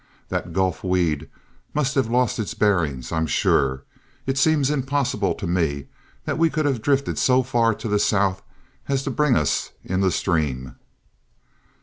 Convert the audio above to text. That gulf weed must have lost its bearings, I'm sure. It seems impossible to me that we could have drifted so far to the south as to bring us in the Stream!"